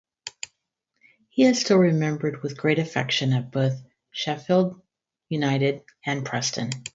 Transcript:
He is still remembered with great affection at both Sheffield United and Preston.